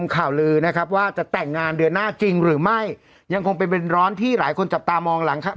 ข่าวลือนะครับว่าจะแต่งงานเดือนหน้าจริงหรือไม่ยังคงเป็นเป็นร้อนที่หลายคนจับตามองหลังครับ